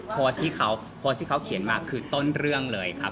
โพสต์ที่เขาโพสต์ที่เขาเขียนมาคือต้นเรื่องเลยครับ